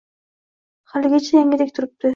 Haligacha yangidek turibdi".